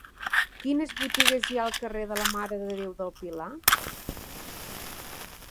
Quines botigues hi ha al carrer de la Mare de Déu del Pilar?